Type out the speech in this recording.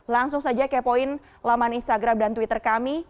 langsung saja kepoin laman instagram dan twitter kami